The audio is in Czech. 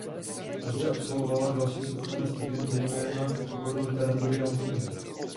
Zde absolvovala další soukromé studium zejména v oboru literatury a umění.